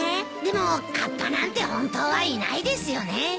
でもカッパなんて本当はいないですよね？